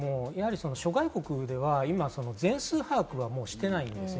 諸外国では今、全数把握はしていないんです。